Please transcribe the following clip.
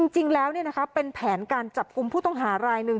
จริงแล้วเนี่ยนะคะเป็นแผนการจับกุมผู้ต้องหารายหนึ่ง